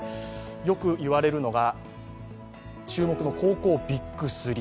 よく言われるのが注目の高校ＢＩＧ３。